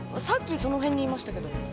さっきその辺にいましたけど。